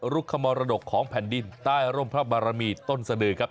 รุกขมรดกของแผ่นดินใต้ร่มพระบารมีต้นสดือครับ